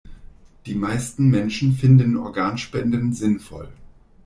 Die meisten Menschen finden Organspenden sinnvoll.